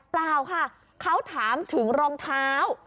เปล่าค่ะเขาถามถึงรองเท้า